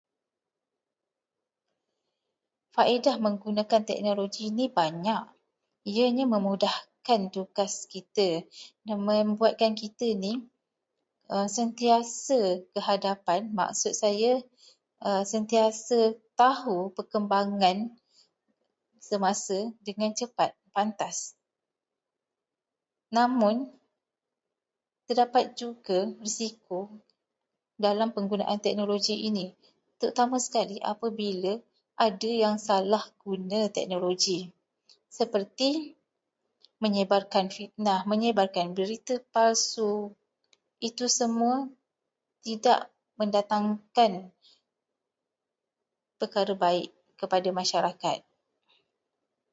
Faedah menggunakan teknologi ini banyak. Ianya memudahkan tugas kita dan membuatkan kita ini sentiasa ke hadapan. Maksud saya, sentiasa tahu perkembangan semasa dengan cepat, pantas. Namun, terdapat juga risiko dalam penggunaan teknologi ini. Terutama sekali apabila ada yang salah guna teknologi, seperti menyebarkan fitnah, menyebarkan berita palsu. Itu semua tidak mendatangkan perkara baik kepada masyarakat.